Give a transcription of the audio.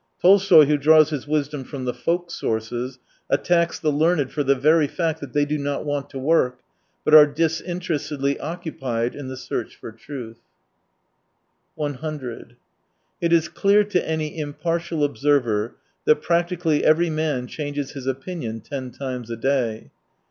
Tolstoy, who draws his wisdom from the folk sources, attacks the learned for the very fact that they do not want to work, but are disinterestedly occupied in the search for truth. 100 It is clear to any impartial observer that practically every man changes his opinion ten times a day.